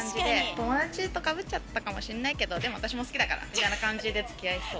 友達とかぶっちゃったかもしれないけど、でも私も好きだからみたいな感じでつきあいそう。